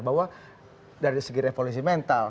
bahwa dari segi revolusi mental